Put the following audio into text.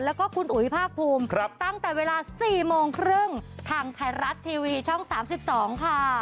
แล้วก็คุณอุ๋ยภาคภูมิตั้งแต่เวลา๔โมงครึ่งทางไทยรัฐทีวีช่อง๓๒ค่ะ